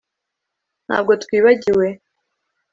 Ntabwo twibagiwe